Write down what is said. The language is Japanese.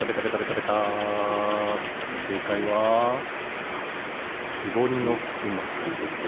せいかいはきぼりのくま。